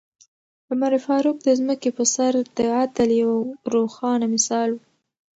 عمر فاروق د ځمکې په سر د عدل یو روښانه مثال و.